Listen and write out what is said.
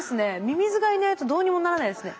ミミズがいないとどうにもならないですね。